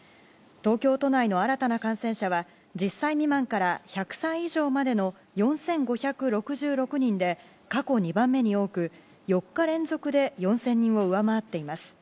東京都内の新たな感染者は１０歳未満から１００歳以上までの４５６６人で過去２番目に多く、４日連続で４０００人を上回っています。